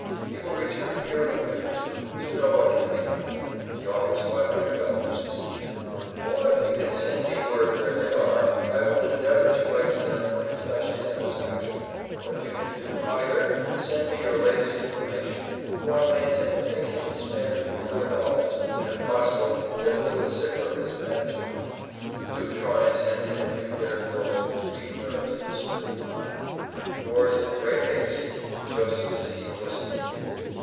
He will return here in a week or two, to know what can be done. He offers $500 to see them. Or if you can send me word where they are, I will endeavor to write to them for his special satisfaction; or if you cannot do either, send me your latest information, for I intend to make him spend a few more dollars, and if possible get a little sicker of this bad job. Do try and send him a few bitter pills for his weak nerves and disturbed mind. Yours in great haste, Jos. C. Bustill.